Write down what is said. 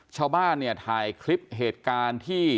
ชาวบ้านเนี่ยถ่ายคลิปเหตุการณ์ที่